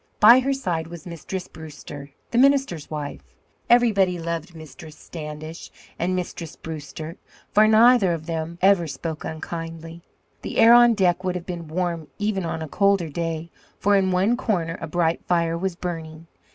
By her side was Mistress Brewster, the minister's wife. Everybody loved Mistress Standish and Mistress Brewster, for neither of them ever spoke unkindly. The air on deck would have been warm even on a colder day, for in one corner a bright fire was burning.